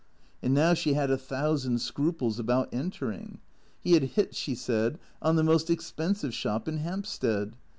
And now she had a thousand scruples about entering. He had hit, she said, on the most expensive shop in Hampstead.